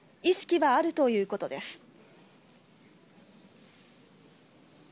意識はあるということです。